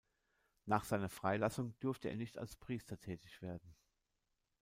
Nach seiner Freilassung durfte er nicht als Priester tätig werden.